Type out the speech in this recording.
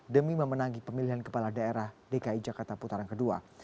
demi memenangi pemilihan kepala daerah dki jakarta putaran kedua